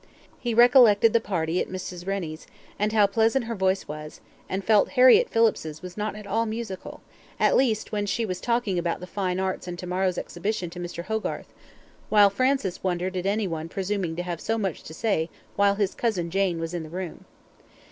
He recollected the party at Mrs. Rennie's, and how pleasant her voice was; and felt Harriett Phillips's was not at all musical, at least, when she was talking about the fine arts and tomorrow's exhibition to Mr. Hogarth; while Francis wondered at any one presuming to have so much to say while his cousin Jane was in the room.